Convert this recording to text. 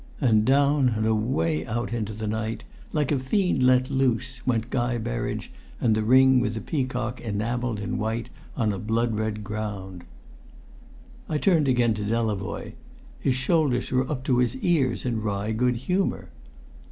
And down and away out into the night, like a fiend let loose, went Guy Berridge and the ring with the peacock enamelled in white on a blood red ground. I turned again to Delavoye. His shoulders were up to his ears in wry good humour.